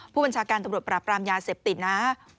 ผู้บัญชาการตำรวจปราบปรามยาเสพติดนะ